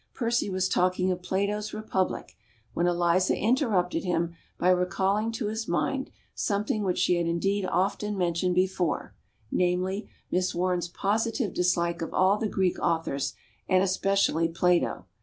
Percy was talking of Plato's republic when Eliza interrupted him by recalling to his mind something which she had indeed often mentioned before, namely, Miss Warne's positive dislike of all the Greek authors and especially Plato.